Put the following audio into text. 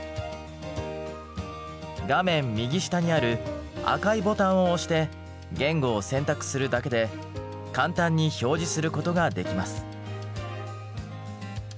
画面右下にある赤いボタンを押して言語を選択するだけで簡単に表示することができます。